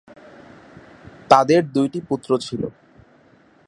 তাদের দুইটি পুত্র ছিল।